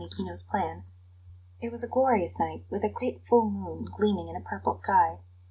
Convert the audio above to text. It was a glorious night, with a great full moon gleaming in a purple sky.